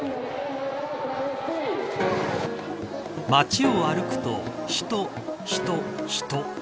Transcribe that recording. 街を歩くと人、人、人。